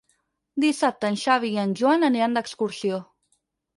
Dissabte en Xavi i en Joan aniran d'excursió.